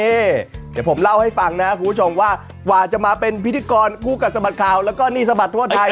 เดี๋ยวผมเล่าให้ฟังนะคุณผู้ชมว่ากว่าจะมาเป็นพิธีกรคู่กัดสะบัดข่าวแล้วก็นี่สะบัดทั่วไทย